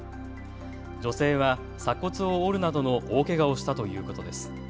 女性は鎖骨を折るなどの大けがをしたということです。